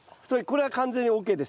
これは完全にＯＫです。